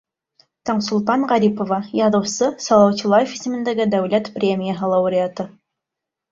Таңсулпан ҒАРИПОВА, яҙыусы, Салауат Юлаев исемендәге дәүләт премияһы лауреаты: